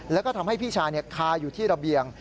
แล้วก็ทำให้พี่ชายคาอยู่ที่ระเบียง